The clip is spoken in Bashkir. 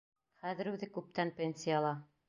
Хәҙер үҙе күптән пенсияла.